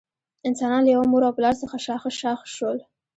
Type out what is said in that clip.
انسانان له یوه مور او پلار څخه شاخ شاخ شول.